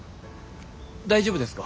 大丈夫ですか？